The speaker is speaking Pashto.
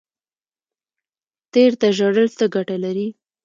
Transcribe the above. تیر ته ژړل څه ګټه لري؟